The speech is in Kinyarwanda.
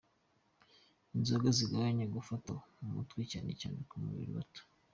Inzoga zigabanya gufata mu mutwe cyane cyane ku bakiri bato.